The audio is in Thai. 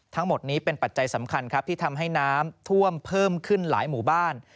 ทั้งหมดนี้เป็นปัจจัยสำคัญครับที่ทำให้น้ำท่วมเพิ่มขึ้นหลายหมู่บ้าน